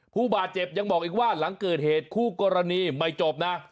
ผู้บาดเจ็บยังบอกอีกว่าหลังเกิดเหตุคู่กรณีไม่จบนะ